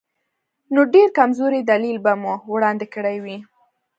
نو ډېر کمزوری دلیل به مو وړاندې کړی وي.